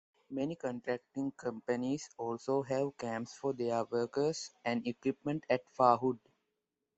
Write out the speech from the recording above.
Many contracting companies also have camps for their workers and equipment at Fahud.